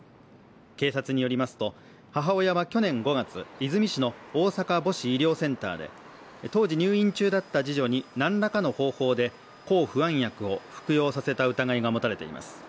警察によりますと母親は去年５月和泉市の大阪母子医療センターで当時入院中だった次女に何らかの方法で抗不安薬を服用させた疑いが持たれています。